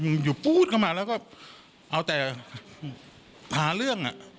มึงอยู่ปุ๊บกลับมาแล้วก็อาจจะหาเรื่อง